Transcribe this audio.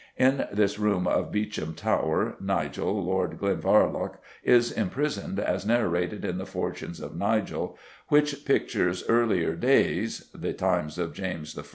In this room of the Beauchamp Tower, Nigel, Lord Glenvarloch, is imprisoned as narrated in The Fortunes of Nigel, which pictures earlier days the times of James I.